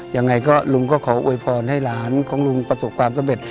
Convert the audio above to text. ยังไงก็ลุงก็ขออวยพรให้หลานของลุงประสบความสำเร็จ